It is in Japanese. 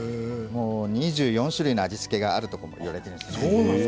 ２４種類の味付けがあるともいわれています。